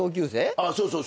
ああそうそう。